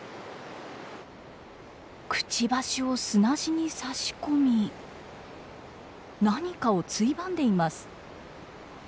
クチバシを砂地に差し込み何かをついばんでいます。